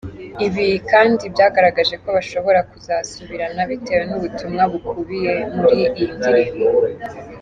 Ibi kandi byagaragaje ko bashbora kuzasubirana bitewe n’ubutumwa bukubiye muri iyi ndirimbo.